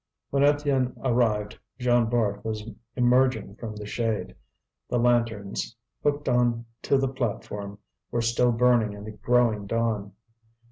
When Étienne arrived, Jean Bart was emerging from the shade; the lanterns, hooked on to the platform, were still burning in the growing dawn.